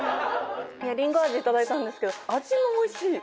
りんご味いただいたんですけど味もおいしい。